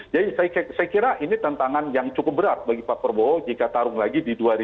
jadi saya kira ini tantangan yang cukup berat bagi pak prabowo jika tarung lagi di dua ribu dua puluh empat